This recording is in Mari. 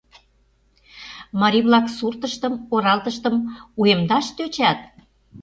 Марий-влак суртыштым, оралтыштым уэмдаш тӧчат?